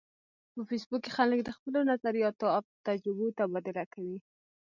په فېسبوک کې خلک د خپلو نظریاتو او تجربو تبادله کوي